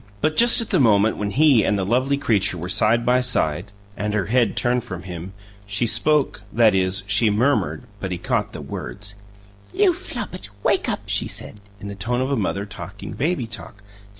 But just at the moment when he and the lovely creature were side by side, and her head turned from him, she spoke that is, she murmured, but he caught the words. "You Flopit, wake up!" she said, in the tone of a mother talking baby talk.